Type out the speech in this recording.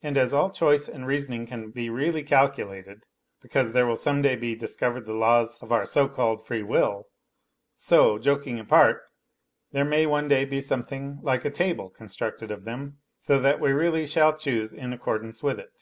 And as all choice and reasoning can be really calculated because there will some day be dis covered the laws of our so called freewill so, joking apart, there may one day be something like a table constructed of them, so that we really shall choose in accordance with it.